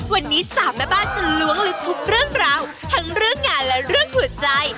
วันนี้สามแม่บ้านจะล้วงลึกทุกเรื่องราวทั้งเรื่องงานและเรื่องหัวใจ